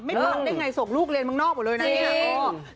ปังได้ไงส่งลูกเรียนเมืองนอกหมดเลยนะเนี่ย